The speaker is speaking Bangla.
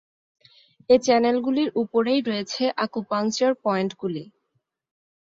এ চ্যানেলগুলির উপরেই রয়েছে আকুপাঙ্কচার পয়েন্টগুলি।